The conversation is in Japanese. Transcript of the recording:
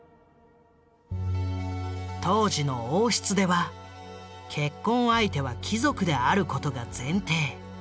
当時の王室では結婚相手は貴族であることが前提。